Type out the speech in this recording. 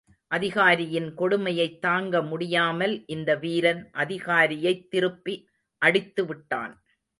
அதிகாரியின் கொடுமையைத் தாங்க முடியாமல் இந்த வீரன் அதிகாரியைத் திருப்பி அடித்து விட்டான்.